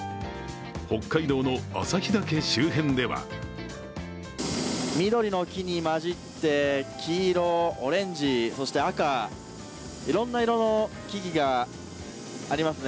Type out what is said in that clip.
北海道の旭岳周辺では緑の木に交じって黄色、オレンジ、赤いろんな色の木々がありますね。